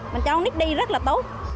mình cho nít đi rất là tốt